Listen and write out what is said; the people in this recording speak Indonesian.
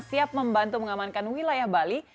siap membantu mengamankan wilayah bali